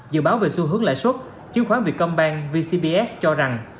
dự báo về xu hướng lãi suất chiếm khoán việt công bang vcbs cho rằng